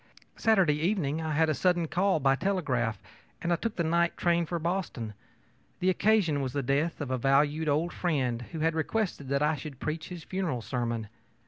Saturday evening I had a sudden call, by telegraph, and took the night train for Boston. The occasion was the death of a valued old friend who had requested that I should preach his funeral sermon.